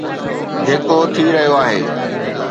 جيڪو ٿي رهيو آهي